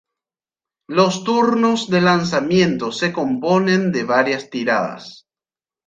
Los turnos de lanzamiento se componen de varias tiradas.